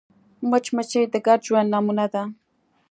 مچمچۍ د ګډ ژوند نمونه ده